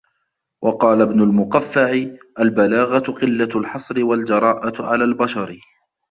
وَقَالَ ابْنُ الْمُقَفَّعِ الْبَلَاغَةُ قِلَّةُ الْحَصْرِ وَالْجَرَاءَةُ عَلَى الْبَشَرِ